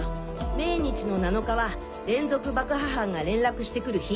命日の７日は連続爆破犯が連絡してくる日。